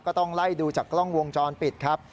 ก็ต้องไล่ดูจากกล้องวงจรปิดครับ